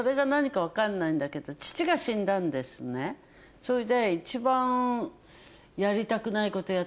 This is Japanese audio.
それで。